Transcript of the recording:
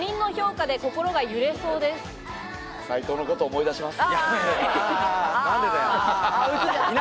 最高のことを思い出します。